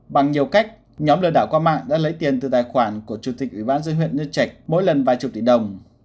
bằng nhiều cách nhóm lừa đảo qua mạng đã lấy tiền từ tài khoản của chủ tịch ủy ban dưới huyện nhân trạch mỗi lần vài chục tỷ đồng